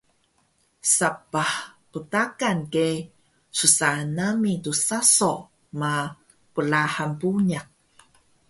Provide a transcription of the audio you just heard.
Sapah btakan ge ssaan nami tsaso ma plahan puniq